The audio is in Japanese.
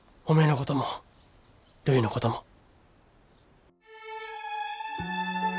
おめえのこともるいのことも。